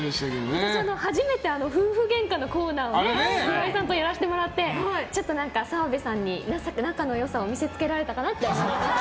私、初めて夫婦げんかのコーナーを岩井さんとやらせてもらってちょっと澤部さんに仲の良さを見せつけられたかなと。